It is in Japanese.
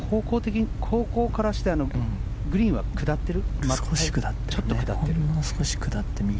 方向からしてグリーンは下ってる？